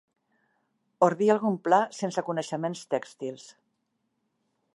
Ordir algun pla sense coneixements tèxtils.